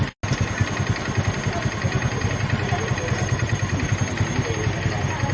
ได้แล้วขนาดนั้น